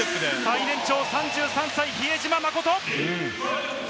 最年長３３歳、比江島慎。